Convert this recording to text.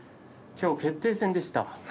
きょうは決定戦でした。